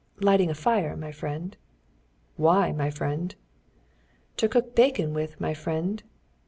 "Lighting a fire, my friend." "Why, my friend?" "To cook bacon with, my friend."